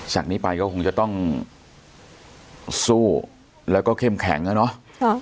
จากนี้ไปก็คงจะต้องสู้แล้วก็เข้มแข็งอ่ะเนาะ